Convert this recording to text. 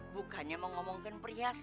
bukannya mau ngomongkan perhiasan